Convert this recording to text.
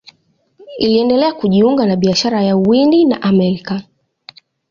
Iliendelea kujiunga na biashara ya Uhindi na Amerika.